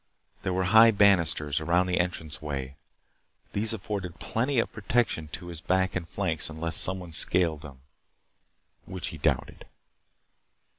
There were high bannisters around the entrance way. These afforded plenty of protection to his back and flanks unless someone scaled them, which he doubted.